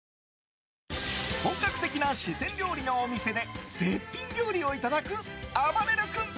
本格的な四川料理のお店で絶品料理をいただく、あばれる君。